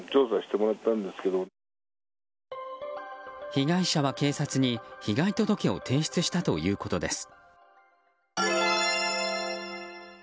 被害者は警察に被害届を提出したということです。